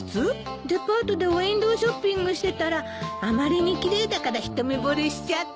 デパートでウインドーショッピングしてたらあまりに奇麗だから一目ぼれしちゃって。